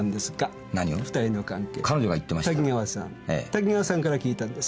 滝川さんから聞いたんですか？